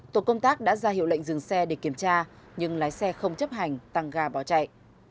tổ công tác đã ra hiệu lệnh dừng xe để kiểm tra nhưng lái xe không chấp hành tăng ga bỏ chạy